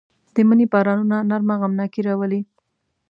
د مني بارانونه نرمه غمناکي راولي